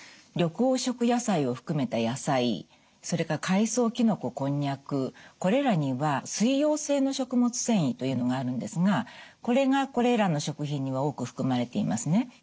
緑黄色野菜を含めた野菜それから海藻きのここんにゃくこれらには水溶性の食物繊維というのがあるんですがこれがこれらの食品には多く含まれていますね。